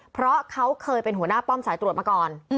เพราะเขาเคยเป็นหัวหน้าป้อมสายตรวจมาก่อน